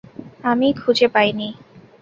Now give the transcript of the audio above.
আমি খুঁজে পাইনি।